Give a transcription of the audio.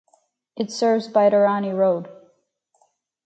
It serves Baitarani Road.